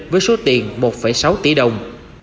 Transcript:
với số tiền một sáu tỷ đồng